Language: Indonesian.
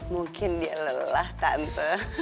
mungkin dia lelah tante